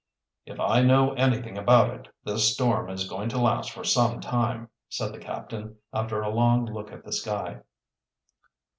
"If I know anything about it, this storm is going to last for some time," said the captain, after a long look at the sky.